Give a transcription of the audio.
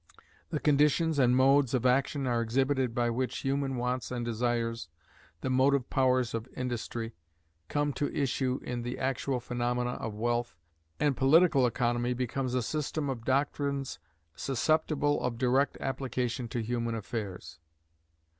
The conditions and modes of action are exhibited by which human wants and desires the motive powers of industry come to issue in the actual phenomena of wealth, and political economy becomes a system of doctrines susceptible of direct application to human affairs.